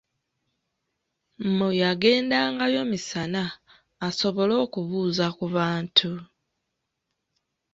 Mu yagendangayo misana, asobole okubuuza ku bantu.